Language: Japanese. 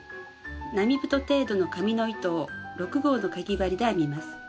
並太程度の紙の糸を６号のかぎ針で編みます。